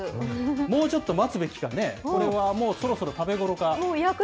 もうちょっと待つべきかね、これはもう、そろそろ食べごろか。